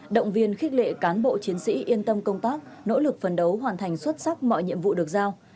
động viên khích lệ cán bộ chiến sĩ yên tâm công tác nỗ lực phấn đấu hoàn thành xuất sắc mọi nhiệm vụ được giao